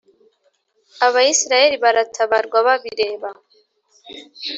Abayisiraheli baratabarwa babireba